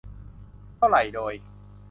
เท่าไหร่โดย